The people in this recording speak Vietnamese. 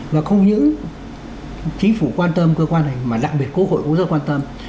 và không những chính phủ quan tâm cơ quan này mà đặc biệt quốc hội cũng rất quan tâm